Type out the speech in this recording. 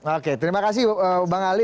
oke terima kasih bang ali